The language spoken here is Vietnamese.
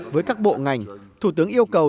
với các bộ ngành thủ tướng yêu cầu